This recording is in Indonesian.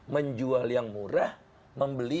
menjual yang murah membeli